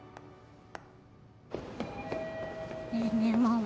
ねえねえママ。